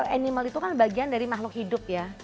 animal itu kan bagian dari makhluk hidup ya